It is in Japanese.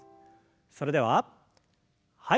それでははい。